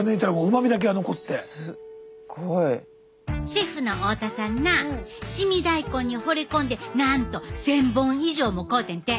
シェフの太田さんな凍み大根にほれ込んでなんと１，０００本以上も買うてんて！